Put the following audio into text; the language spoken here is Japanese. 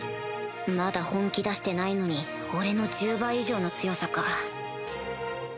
まだ本気出してないのに俺の１０倍以上の強さか